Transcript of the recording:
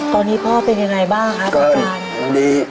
ตอนนี้พ่อเป็นยังไงบ้างครับอาจารย์